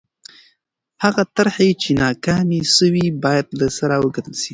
هغه طرحې چې ناکامې سوې باید له سره وکتل سي.